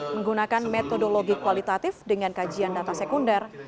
menggunakan metodologi kualitatif dengan kajian data sekunder